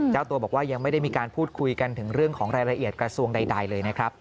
เจ้าตัวบอกว่ายังไม่ได้มีการพูดคุยกันถึงเรื่องของรายละเอียดกระทรวงใดเลยนะครับ